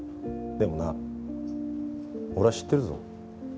でもな俺は知ってるぞ。